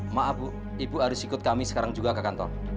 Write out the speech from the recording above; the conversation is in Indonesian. maaf bu ibu harus ikut kami sekarang juga ke kantor